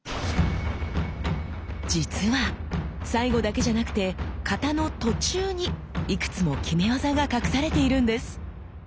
実は最後だけじゃなくて型の途中にいくつも決め技が隠されているんです。